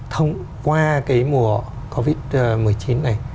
thông qua cái mùa covid một mươi chín này